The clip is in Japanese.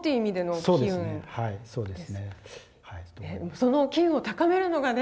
その気運を高めるのがね